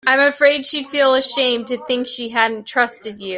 I'm afraid she'd feel ashamed to think she hadn't trusted you.